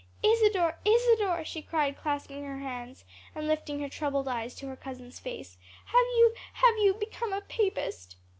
"Isadore, Isadore!" she cried, clasping her hands, and lifting her troubled eyes to her cousin's face, "have you have you become a papist?"